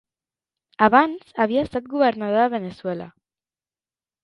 Abans, havia estat Governador de Veneçuela.